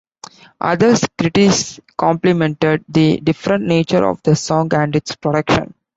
Other critics complimented the different nature of the song and its production.